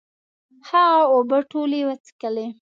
هغه اوبه ټولي وڅکلي